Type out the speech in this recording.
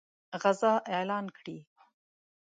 غزا اعلان کړي.